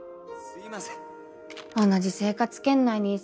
すいません